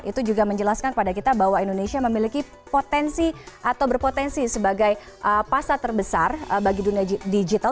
itu juga menjelaskan kepada kita bahwa indonesia memiliki potensi atau berpotensi sebagai pasar terbesar bagi dunia digital